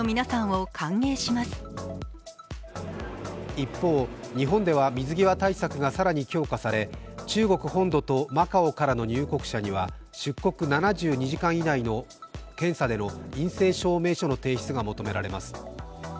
一方、日本では水際対策が更に強化され中国本土とマカオからの入国者には出国７２時間以内の検査での陰性証明書の提出が求められます。